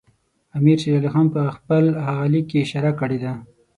امیر شېر علي خان په خپل هغه لیک کې اشاره کړې ده.